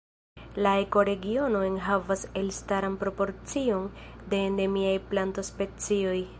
La ekoregiono enhavas elstaran proporcion de endemiaj plantospecioj.